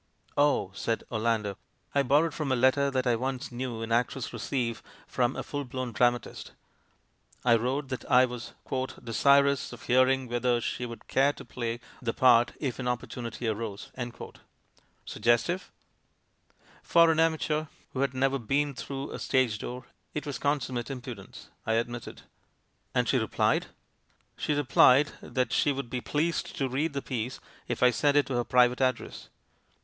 "Oh!" said Orlando, "I borrowed from a let ter that I once knew an actress receive from a full blown dramatist; I wrote that I was 'desir ous of hearing whether she would care to play the part if an opportunity arose.' Suggestive?" "For an amateur who had never been through a stage door it was consummate impudence," I admitted. "And she replied?" "She replied that she would be pleased to read the piece if I sent it to her private address.